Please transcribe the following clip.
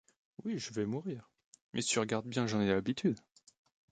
Oui je vais mourir, mais si tu regardes bien j’en ai l’habitude.